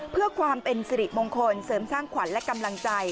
เพื่อความเป็นสิริมงคลเสริมสร้างขวัญและกำลังใจ